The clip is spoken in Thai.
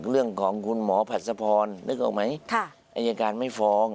เรื่องของคุณหมอผัดสะพรนึกออกไหมอายการไม่ฟ้อง